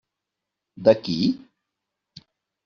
De qui?